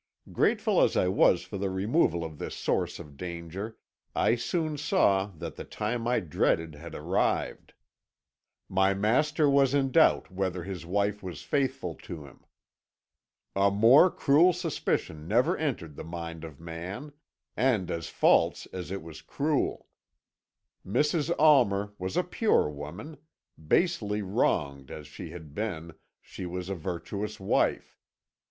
"Grateful as I was at the removal of this source of danger, I soon saw that the time I dreaded had arrived. My master was in doubt whether his wife was faithful to him. "A more cruel suspicion never entered the mind of man, and as false as it was cruel. Mrs. Almer was a pure woman; basely wronged as she had been, she was a virtuous wife.